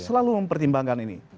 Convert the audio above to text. selalu mempertimbangkan ini